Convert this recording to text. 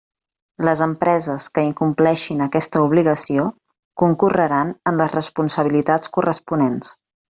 Les empreses que incompleixin aquesta obligació concorreran en les responsabilitats corresponents.